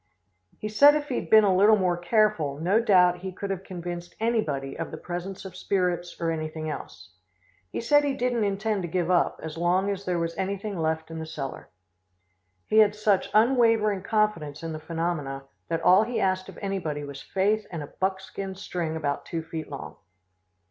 He said if he had been a little more careful, no doubt he could have convinced anybody of the presence of spirits or anything else. He said he didn't intend to give up as long as there was anything left in the cellar. He had such unwavering confidence in the phenomena that all he asked of anybody was faith and a buckskin string about two feet long.